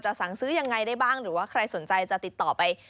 สั่งซื้อยังไงได้บ้างหรือว่าใครสนใจจะติดต่อไป